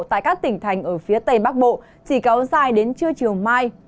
tại các tỉnh thành ở phía tây bắc bộ chỉ kéo dài đến trưa chiều mai